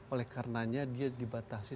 oleh karenanya dia dibatasi